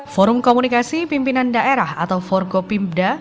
forum komunikasi pimpinan daerah atau forgo pimda